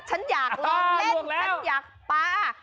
ฉันอยากลองเล่นฉันอยากปลา